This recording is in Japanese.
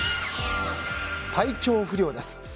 体調不良です。